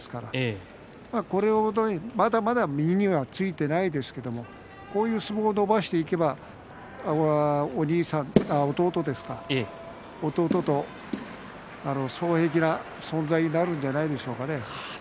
まだまだ身にはついていませんがこういう相撲を伸ばしていけば弟、若隆景と双璧の存在になるんじゃないでしょうか。